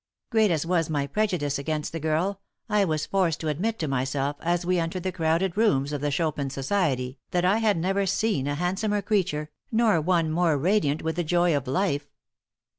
Great as was my prejudice against the girl, I was forced to admit to myself, as we entered the crowded rooms of the Chopin Society, that I had never seen a handsomer creature, nor one more radiant with the joy of life.